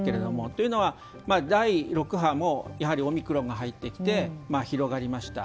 というのは第６波もやはりオミクロンが入ってきて広がりました。